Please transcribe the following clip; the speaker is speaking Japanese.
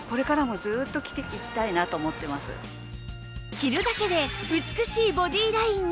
着るだけで美しいボディーラインに